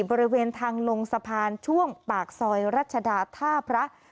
บริเวณทางลงสะพานช่วงปากซอยรัชดาท่าพระ